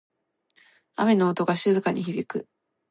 雨の音が静かに響く。